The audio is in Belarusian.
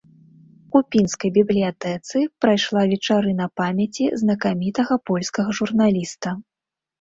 У пінскай бібліятэцы прайшла вечарына памяці знакамітага польскага журналіста.